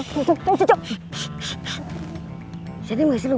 kamu udah passe jennifer nah